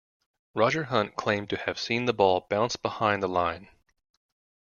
Roger Hunt claimed to have seen the ball bounce behind the line.